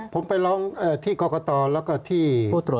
ผมไปร้องที่เเกาะกระตอน